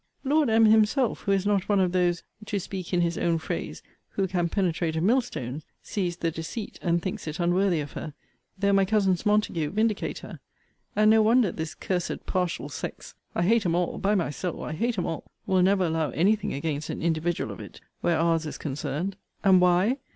Lord M. himself, who is not one of those (to speak in his own phrase) who can penetrate a millstone, sees the deceit, and thinks it unworthy of her; though my cousins Montague vindicate her. And no wonder this cursed partial sex [I hate 'em all by my soul, I hate 'em all!] will never allow any thing against an individual of it, where our's is concerned. And why?